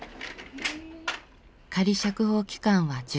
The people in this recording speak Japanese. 仮釈放期間は１０か月。